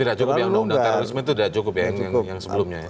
tidak cukup yang undang undang terorisme itu tidak cukup yang sebelumnya